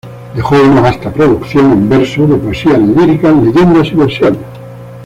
Dejó una vasta producción en verso, de poesía líricas, leyendas y versiones.